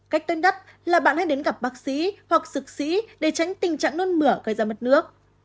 cách tuyên đất là bạn hãy đến gặp bác sĩ hoặc sc sĩ để tránh tình trạng nôn mửa gây ra mất nước